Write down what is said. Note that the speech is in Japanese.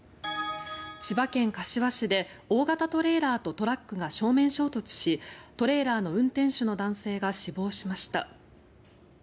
千葉県柏市で大型トレーラーとトラックが正面衝突しトレーラーの運転手の男性が死亡しました。